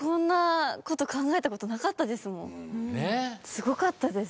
すごかったです。